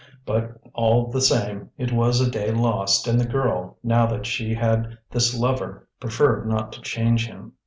But, all the same, it was a day lost, and the girl, now that she had this lover, preferred not to change him.